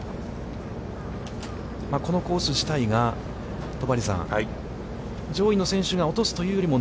このコース自体が、戸張さん、上位の選手が落とすというよりも、